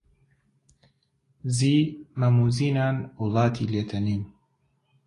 زیی مەم و زینان وڵاتی لێ تەنیم